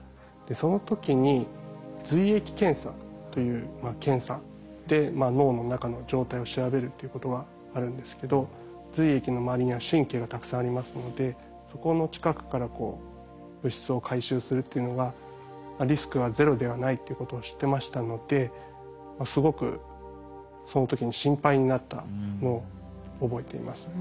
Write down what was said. その時に髄液検査という検査で脳の中の状態を調べるっていうことがあるんですけど髄液の周りには神経がたくさんありますのでそこの近くから物質を回収するっていうのがリスクはゼロではないっていうことを知ってましたのですごくその時に心配になったのを覚えています。